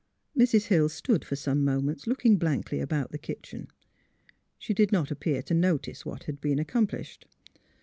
Mrs. Hill stood for some moments looking blankly about the kitchen. She did not appear to notice what had been accomplished.